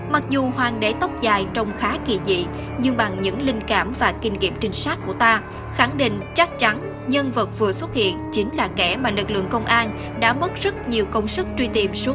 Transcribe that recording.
mặc dù hoàng đế tóc dài trông khá kỳ dị nhưng bằng những linh cảm và kinh nghiệm trinh sát của ta khẳng định chắc chắn nhân vật vừa xuất hiện chính là kẻ mà lực lượng công an đã mất rất nhiều công sức truy tìm số